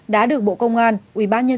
đã được bộ công an ubnd tp hcm